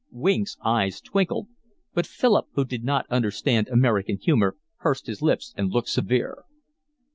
Weeks' eyes twinkled, but Philip, who did not understand American humour, pursed his lips and looked severe.